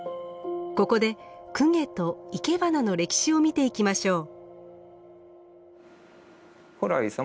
ここで供華といけばなの歴史を見ていきましょう。